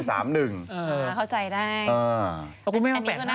คราวนี้คน่ารักนะ